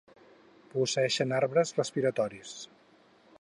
Posseeixen arbres respiratoris.